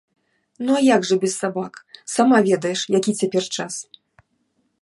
Ну, а як жа без сабак, сама ведаеш, які цяпер час.